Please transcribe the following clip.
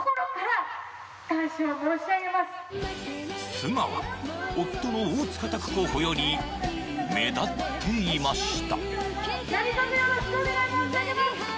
妻は、夫の大塚拓候補より目立っていました。